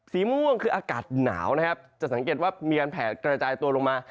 สีม่วงคืออากาศหนาวนะครับจะสังเกตว่ามีการแผลกระจายตัวลงมา